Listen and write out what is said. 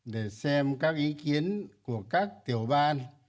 để xem các ý kiến của các bộ chính trị ban bí thư chúng tôi cũng lại họp